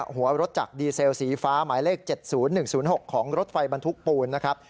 หัวรถจากดีเซลสีฟ้าหมายเลข๗๐๑๐๖ของรถไฟบรรทุกปูนนะครับ